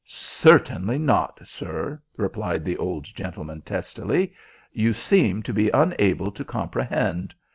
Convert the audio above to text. "Certainly not, sir," replied the old gentleman testily. "You seem to be unable to comprehend.